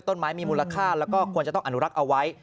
ต้นไม้มีมูลค่าแล้วก็ควรจะต้องอนุรักษ์เอาไว้